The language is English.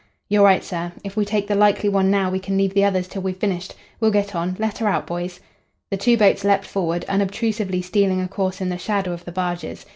"You're right, sir. If we take the likely one now we can leave the others till we've finished. We'll get on. Let her out, boys." The two boats leapt forward, unobtrusively stealing a course in the shadow of the barges.